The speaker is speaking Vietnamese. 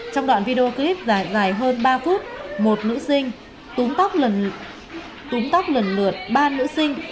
trong đoạn video clip dài hơn ba phút một nữ sinh túng tóc lần lượt ba nữ sinh